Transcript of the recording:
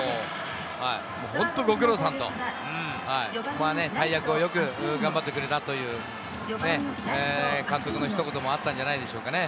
本当ごくろうさんの大役をよく頑張ってくれたという監督のひと言もあったんじゃないでしょうかね。